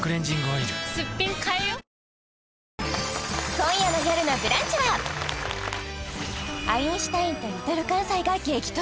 今夜の「よるのブランチ」はアインシュタインとＬｉｌかんさいが激突！